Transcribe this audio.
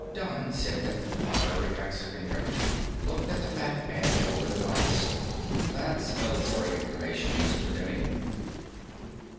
Don sipped at the fiery Mexican drink, looked at the fat man over the glass. "That's military information, Mr. Demming."